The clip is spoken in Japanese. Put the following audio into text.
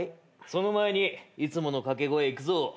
その前にいつもの掛け声いくぞ。